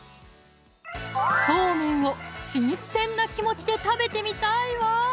そうめんを新鮮な気持ちで食べてみたいわ